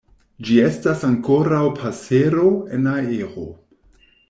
Ĝi estas ankoraŭ pasero en aero.